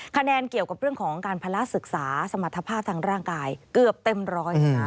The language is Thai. คะแนนเกี่ยวกับเรื่องของการภาระศึกษาสมรรถภาพทางร่างกายเกือบเต็มร้อยนะคะ